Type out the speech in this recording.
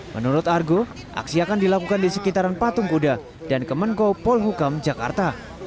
menurut argo aksi akan dilakukan di sekitaran patung kuda dan kemenko polhukam jakarta